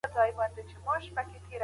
هغه غوښتل پخوانۍ تیروتنې اصلاح کړي.